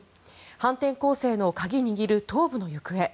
反転攻勢の鍵握る東部の行方。